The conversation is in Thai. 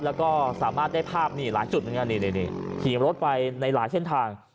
แล้วก็สามารถได้ภาพนี่หลายจุดขี่รถไปในหลายเส้นทาง